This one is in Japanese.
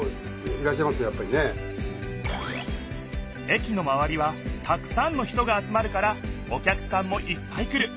駅のまわりはたくさんの人が集まるからお客さんもいっぱい来る。